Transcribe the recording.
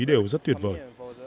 đều rất tuyệt vời